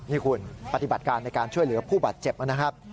นี่คุณปฏิบัติการในการช่วยเหลือผู้บาดเจ็บนะครับ